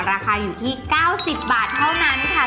ราคาอยู่ที่๙๐บาทเท่านั้นค่ะ